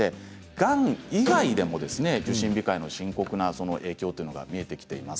がん以外でも受診控えで深刻な影響というのが見えてきています。